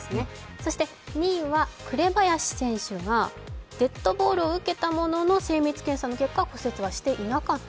そして２位は紅林選手がデッドボールを受けたものの精密検査の結果、骨折はしていなかった。